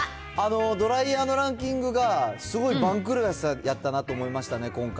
ドライヤーのランキングがすごい番狂わせやったなと思いましたね、今回。